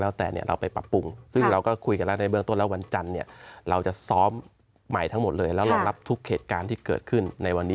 ๓๐วิสุดท้ายค่ะหมดเวลาละ